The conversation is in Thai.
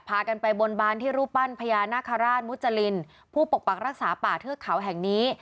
พากันไปบนบานที่รูปปั้นพญานาคาราชมุจรินผู้ปกปักรักษาป่าเทือกเขาแห่งนี้